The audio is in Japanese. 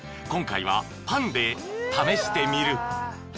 ［今回はパンで試してみる］